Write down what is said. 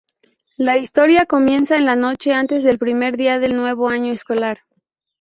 La historia comienza en la noche antes del primer día del nuevo año escolar.